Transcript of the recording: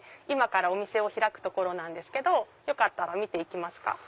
今からお店を開くところなんですけどよかったら見て行きますか？